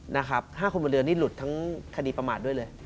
นะครับ๕คนบนเรือนี่หลุดทั้งคดีประมาทด้วยเลย